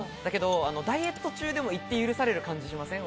ダイエット中でも行って許される感じしません？